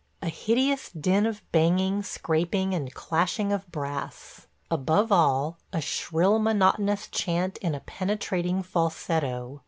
... A hideous din of banging, scraping, and clashing of brass. Above all a shrill monotonous chant in a penetrating falsetto.